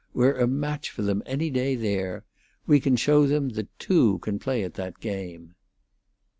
We're a match for them any day there. We can show them that two can play at that game."